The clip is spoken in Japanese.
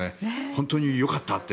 本当によかったって